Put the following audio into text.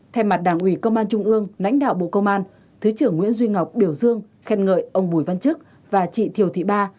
thay mặt đảng ủy công an trung ương lãnh đạo bộ công an thứ trưởng nguyễn duy ngọc biểu dương khen ngợi ông bùi văn chức và chị thiều thị ba